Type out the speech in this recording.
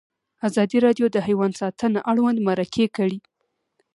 ازادي راډیو د حیوان ساتنه اړوند مرکې کړي.